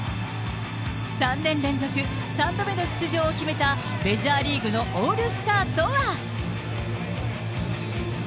３年連続３度目の出場を決めたメジャーリーグのオールスターとは。